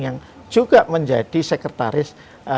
yang juga menjadi sekretaris